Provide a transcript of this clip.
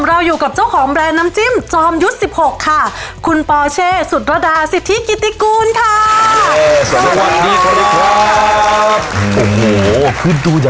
เราอยู่กับเจ้าของแบรนด์น้ำจิ้มจริ้มยุสสิบหกค่ะคุณปอย์เชฟสุดระดาษิฐิกิติกูลค่ะ